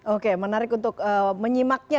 oke menarik untuk menyimaknya